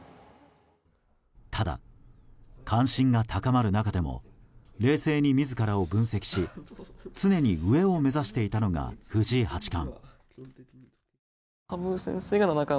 ただ、関心が高まる中でも冷静に自らを分析し常に上を目指していたのが藤井八冠。